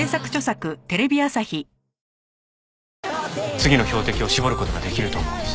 次の標的を絞る事ができると思うんです。